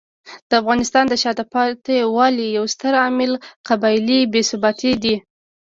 د افغانستان د شاته پاتې والي یو ستر عامل قبایلي بې ثباتي دی.